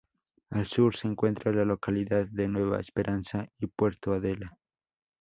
Al sur se encuentra la localidad de Nueva Esperanza y Puerto Adela.